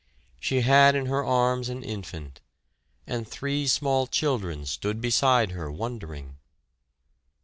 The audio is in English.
She had in her arms an infant, and three small children stood beside her wondering.